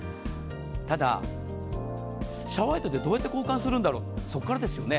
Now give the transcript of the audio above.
ただ、シャワーヘッドってどうやって交換するんだろうそこからですよね。